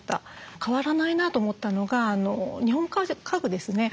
変わらないなと思ったのが日本家具ですね。